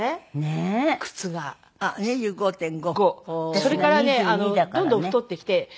それからねどんどん太ってきて今は２６です。